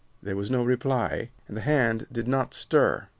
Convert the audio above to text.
"There was no reply, and the hand did not stir.